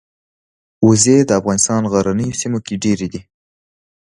وزې د افغانستان غرنیو سیمو کې ډېرې دي